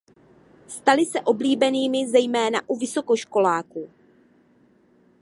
Staly se oblíbenými zejména u vysokoškoláků.